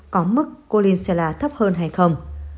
có mức kulinshela thấp hơn hay không